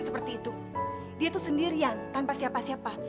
seperti itu dia itu sendirian tanpa siapa siapa